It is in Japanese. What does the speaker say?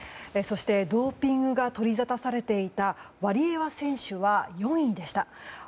そしてドーピングが取りざたされていたワリエワ選手は４位でした。